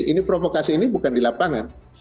ini provokasi ini bukan di lapangan